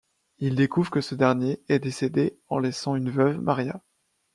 Il découvre que ce dernier est décédé en laissant une veuve, Maria.